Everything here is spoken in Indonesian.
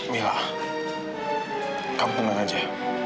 mila kamu tenang aja